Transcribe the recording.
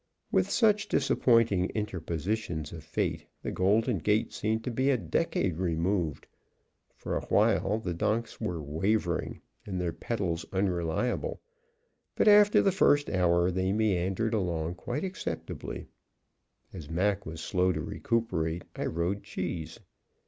With such disappointing interpositions of Fate the Golden Gate seemed to be a decade removed. For a while, the donks were wavering and their pedals unreliable; but after the first hour they meandered along quite acceptably. As Mac was slow to recuperate, I rode Cheese.